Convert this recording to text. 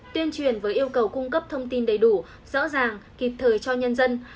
tuyên truyền với yêu cầu cung cấp thông tin đầy đủ rõ ràng kịp thời cho nhân dân